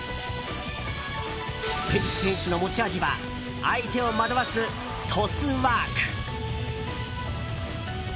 関選手の持ち味は相手を惑わすトスワーク。